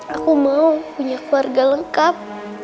aku mau punya keluarga lengkap